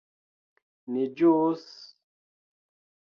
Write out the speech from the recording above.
Ni ĵus...